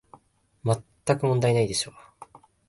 まったく問題ないでしょう